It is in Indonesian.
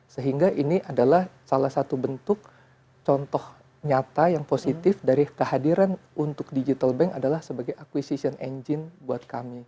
sehingga ini adalah salah satu bentuk contoh nyata yang positif dari kehadiran untuk digital bank adalah sebagai aquisition engine buat kami